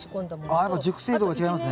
やっぱ熟成度が違いますね。